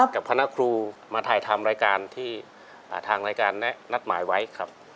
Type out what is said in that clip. กับคณะครูมาถ่ายทำรายการที่ทางรายการนัดหมายไว้ครับ